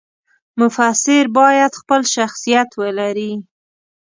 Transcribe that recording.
مفسر باید خپل شخصیت ولري.